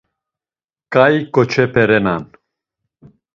Ǩai ǩoçepe renan.